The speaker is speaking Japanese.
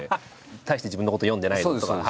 大して自分のことを読んでない人とか。